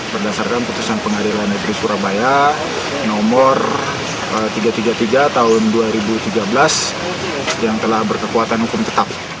berdasarkan putusan pengadilan negeri surabaya nomor tiga ratus tiga puluh tiga tahun dua ribu tiga belas yang telah berkekuatan hukum tetap